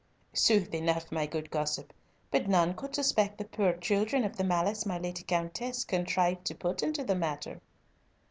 "Sooth enough, my good gossip, but none could suspect the poor children of the malice my Lady Countess contrived to put into the matter."